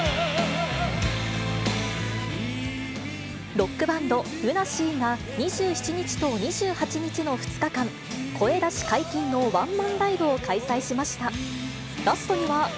ロックバンド、ＬＵＮＡＳＥＡが２７日と２８日の２日間、声出し解禁のワンマンライブを開催しました。